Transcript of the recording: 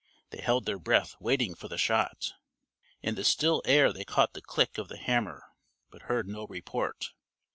They held their breath waiting for the shot. In the still air they caught the click of the hammer, but heard no report.